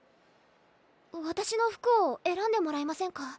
わたしの服をえらんでもらえませんか？